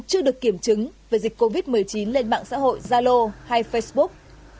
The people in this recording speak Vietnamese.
chưa được kiểm chứng về dịch covid một mươi chín lên mạng xã hội zalo hay facebook